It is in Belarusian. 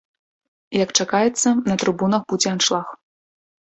Як чакаецца, на трыбунах будзе аншлаг.